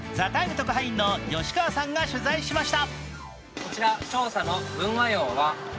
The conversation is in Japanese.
特派員の吉川さんが取材しました。